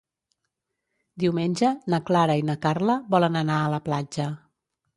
Diumenge na Clara i na Carla volen anar a la platja.